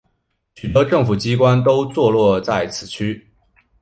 许多政府机关都座落在此区。